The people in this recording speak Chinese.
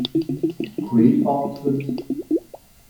葵芳邨。